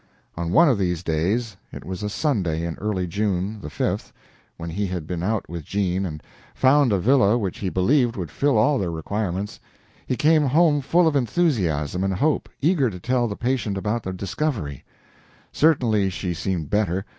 On one of these days it was a Sunday in early June, the 5th when he had been out with Jean, and had found a villa which he believed would fill all their requirements, he came home full of enthusiasm and hope, eager to tell the patient about the discovery. Certainly she seemed better.